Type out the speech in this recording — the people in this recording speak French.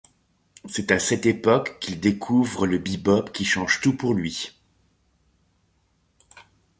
C’est à cette époque qu’il découvre le bebop, qui change tout pour lui.